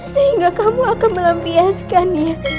sehingga kamu akan melampiaskannya